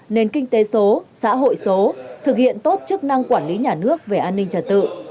nền kinh tế số xã hội số thực hiện tốt chức năng quản lý nhà nước về an ninh trật tự